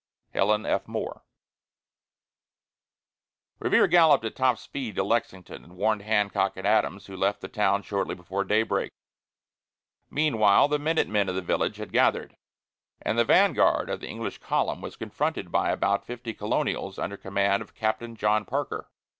HELEN F. MORE. Revere galloped at top speed to Lexington, and warned Hancock and Adams, who left the town shortly before daybreak. Meanwhile the minute men of the village had gathered, and the vanguard of the English column was confronted by about fifty colonials under command of Captain John Parker.